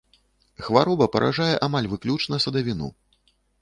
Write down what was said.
Хвароба паражае амаль выключна садавіну.